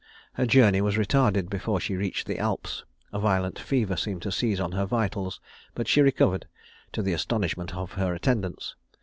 Her journey was retarded before she reached the Alps; a violent fever seemed to seize on her vitals: but she recovered, to the astonishment of her attendants.